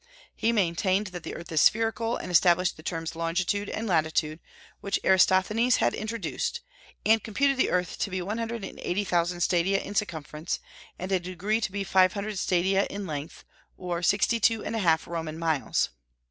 He maintained that the earth is spherical, and established the terms longitude and latitude, which Eratosthenes had introduced, and computed the earth to be one hundred and eighty thousand stadia in circumference, and a degree to be five hundred stadia in length, or sixty two and a half Roman miles.